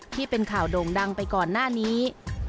ที่เป็นข่าวโด่งดังไปก่อนหน้านี้